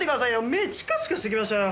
目ぇチカチカしてきましたよ！